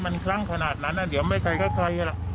มันคลั่งขนาดนั้นอ่ะเดี๋ยวไม่ใช่แค่ใครละ